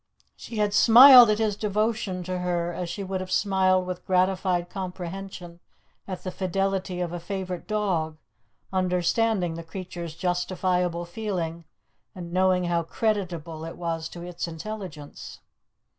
She had smiled at his devotion to her as she would have smiled with gratified comprehension at the fidelity of a favourite dog, understanding the creature's justifiable feeling, and knowing how creditable it was to its intelligence.